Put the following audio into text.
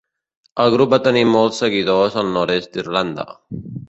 El grup va tenir molts seguidors al nord-oest d'Irlanda.